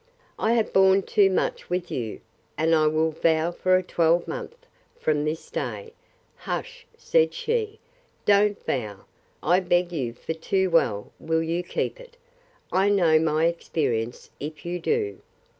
I have borne too much with you, and I will vow for a twelvemonth, from this day—Hush, said she, don't vow, I beg you for too well will you keep it, I know by experience, if you do.